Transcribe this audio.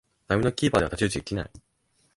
並みのキーパーでは太刀打ちできない